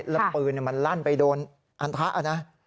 แล้วปืนมันลั่นไปโดนอันทะนะ